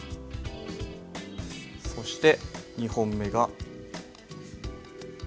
そして２本目が。